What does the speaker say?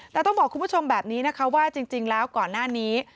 แต่ต้องบอกคุณผู้ชมแบบนี้นะคะว่าจริงแล้วก่อนหน้านี้